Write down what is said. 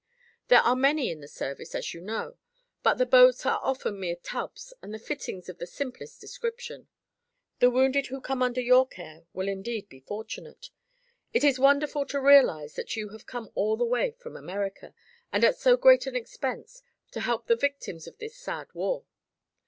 There are many in the service, as you know, but the boats are often mere tubs and the fittings of the simplest description. The wounded who come under your care will indeed be fortunate. It is wonderful to realize that you have come all the way from America, and at so great an expense, to help the victims of this sad war.